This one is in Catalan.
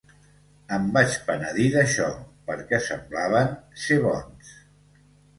Em vaig penedir d'això, perquè semblaven ser bons.